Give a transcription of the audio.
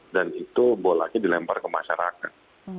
dan itu bolanya dilempar ke masyarakat